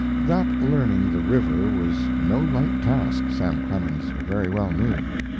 That learning the river was no light task Sam Clemens very well knew.